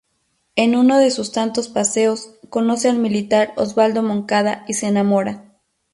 En uno de sus tantos paseos, conoce al militar Osvaldo Moncada y se enamoran.